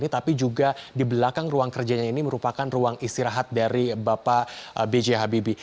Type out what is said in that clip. tapi juga di belakang ruang kerjanya ini merupakan ruang istirahat dari bapak b j habibie